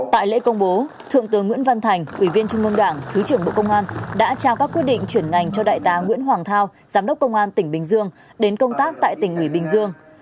tại lễ công bố thượng tướng nguyễn văn thành ủy viên trung ương đảng thứ trưởng bộ công an đã trao các quyết định chuyển ngành cho đại tá nguyễn hoàng thao giám đốc công an tỉnh bình dương đến công tác tại tỉnh ủy bình dương